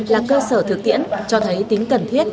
là cơ sở thực tiễn cho thấy tính cần thiết